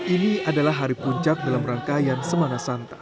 ini adalah hari puncak dalam rangkaian semangat santa